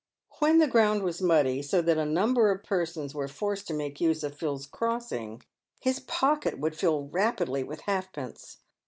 "When the ground was muddy, so that a number of persons were forced to make use of Phil's crossing, his pocket would fill rapidly with halfpence.